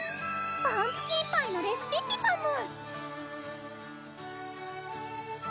パンプキンパイのレシピッピパム！